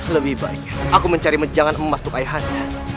lebih baiknya aku mencari menjangan emas untuk ayahanda